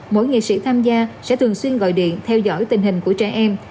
mỗi nghệ sĩ tham gia sẽ thường xuyên gọi điện theo dõi tình hình của trẻ em